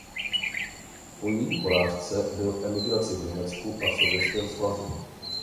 Po její porážce byl v emigraci v Německu a v Sovětském svazu.